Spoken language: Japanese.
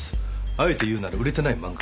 あえて言うなら売れてない漫画家。